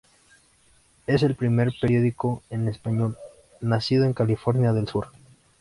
Es el primer periódico en español, nacido en Carolina del Sur.